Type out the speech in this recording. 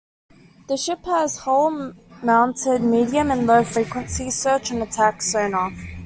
The ship has hull-mounted medium- and low-frequency search and attack sonar.